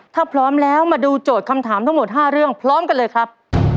ถ้าพร้อมแล้วมาดูโจทย์คำถามทั้งหมด๕เรื่องพร้อมกันเลยครับ